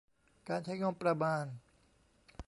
การใช้งบประมาณ